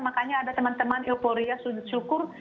makanya ada teman teman euforia sujud syukur